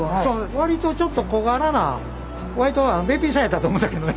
割とちょっと小柄な割とべっぴんさんやったと思ったけどね。